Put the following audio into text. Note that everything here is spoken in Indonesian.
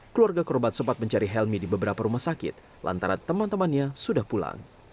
keluarga korban sempat mencari helmi di beberapa rumah sakit lantaran teman temannya sudah pulang